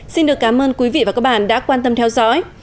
xin được cảm ơn quý vị và các bạn đã quan tâm theo dõi